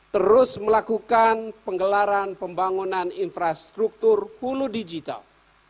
terus melakukan penggelaran pembangunan infrastruktur hulu digital